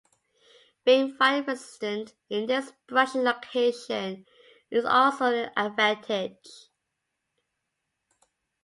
Being fire resistant in this brushy location is also an advantage.